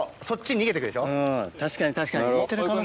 確かに確かに。